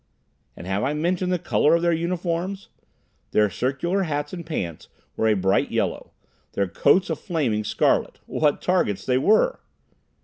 And have I mentioned the color of their uniforms? Their circular hats and pants were a bright yellow; their coats a flaming scarlet. What targets they were!